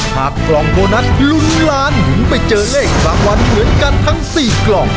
กล่องโบนัสลุ้นล้านถึงไปเจอเลขรางวัลเหมือนกันทั้ง๔กล่อง